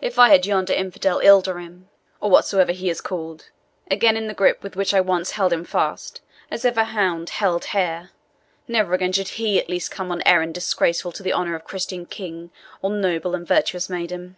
If I had yonder infidel Ilderim, or whatsoever he is called, again in the gripe with which I once held him fast as ever hound held hare, never again should HE at least come on errand disgraceful to the honour of Christian king or noble and virtuous maiden.